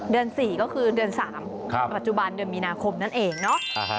เดือน๔ก็คือเดือน๓ปัจจุบันเดือนมีนาคมนั่นเองเนาะ